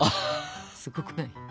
すごくない？